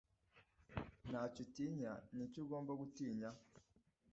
Nta cyo utinya, ni iki ugomba gutinya?